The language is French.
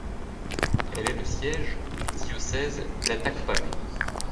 Elle est le siège du diocèse d'Atakpamé.